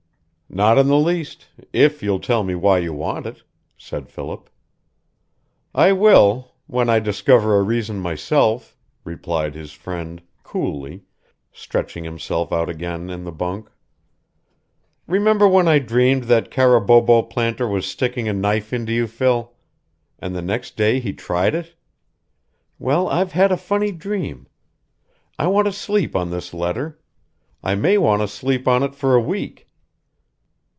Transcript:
"Not in the least, if you'll tell me why you want it," said Philip. "I will when I discover a reason myself," replied his friend, coolly, stretching himself out again in the bunk. "Remember when I dreamed that Carabobo planter was sticking a knife into you, Phil? and the next day he tried it? Well, I've had a funny dream, I want to sleep on this letter. I may want to sleep on it for a week.